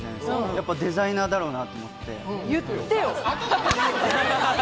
やっぱりデザイナーだろうなって思って。